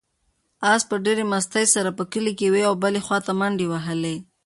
آس په ډېرې مستۍ سره په کلي کې یوې او بلې خواته منډې وهلې.